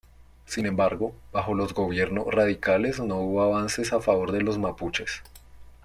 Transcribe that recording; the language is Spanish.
Sin embargo, bajo los gobierno radicales no hubo avances a favor de los mapuches.